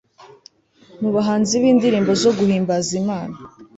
mu bahanzi b'indirimbo zo guhimbaza imana